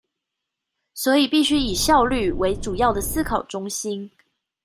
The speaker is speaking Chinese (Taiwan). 所以必須以效率為主要的思考中心